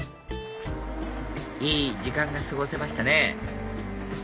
いい時間が過ごせましたね